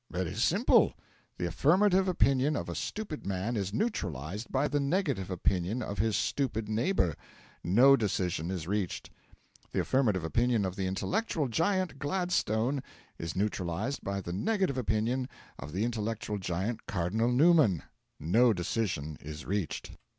It is simple: The affirmative opinion of a stupid man is neutralised by the negative opinion of his stupid neighbour no decision is reached; the affirmative opinion of the intellectual giant Gladstone is neutralised by the negative opinion of the intellectual giant Cardinal Newman no decision is reached.